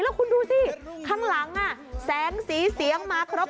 แล้วคุณดูสิข้างหลังแสงสีเสียงมาครบ